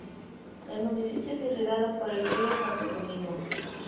El municipio es irrigado por el río Santo Domingo.